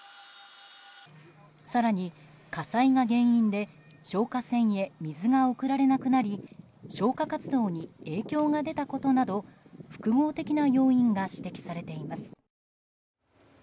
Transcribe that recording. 更に火災が原因で消火栓へ水が送られなくなり消火活動に影響が出たことなど複合的な要因が指摘されています。